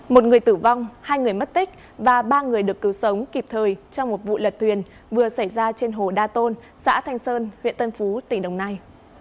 một người tử vong hai người mất tích và ba người được cứu sống kịp thời trong một vụ lật thuyền vừa xảy ra trên hồ đa tôn xã thanh sơn huyện tân phú tỉnh đồng nai